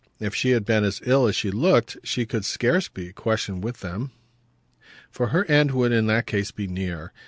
If she had been as ill as she looked she could scarce be a question with them, for her end would in that case be near.